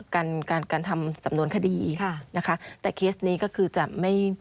การการทำสำนวนคดีค่ะนะคะแต่เคสนี้ก็คือจะไม่